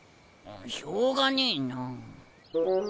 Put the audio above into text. しょうがねえな。